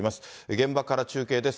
現場から中継です。